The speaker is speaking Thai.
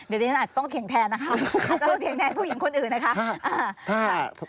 เดี๋ยวดิฉันอาจจะต้องเถียงแทนนะคะอาจจะต้องเถียงแทนผู้หญิงคนอื่นนะคะ